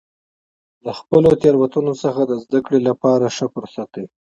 د خپلو تیروتنو څخه د زده کړې لپاره ښه فرصت دی.